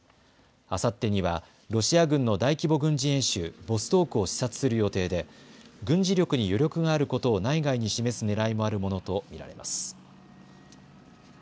あさってにはロシア軍の大規模軍事演習、ボストークを視察する予定で軍事力に余力があることを内外に示すねらいもあるものと見られます。